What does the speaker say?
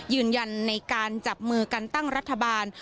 ยืนยันในการจับมือกันตั้งรัฐบาล